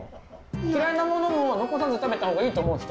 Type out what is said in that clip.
嫌いなものも残さず食べたほうがいいと思う人？